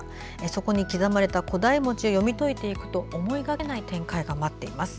そこに刻まれた古代文字を読み解いていくと思いがけない展開が待っています。